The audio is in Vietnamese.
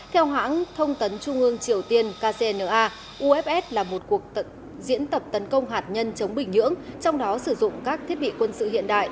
theo hãng thông tấn trung ương triều tiên kcna ufs là một cuộc diễn tập tấn công hạt nhân chống bình nhưỡng trong đó sử dụng các thiết bị quân sự hiện đại